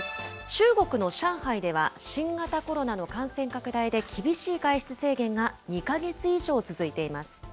中国の上海では、新型コロナの感染拡大で厳しい外出制限が２か月以上続いています。